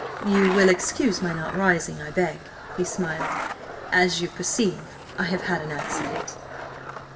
"You will excuse my not rising, I beg," he smiled. "As you perceive–I have had an accident."